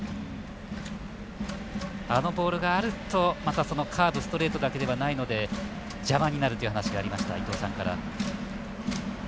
あのボールがあると、またカーブストレートだけではないので邪魔になるという話が伊東さんからありました。